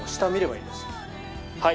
はい。